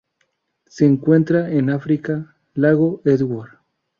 Se encuentran en África: lago Edward.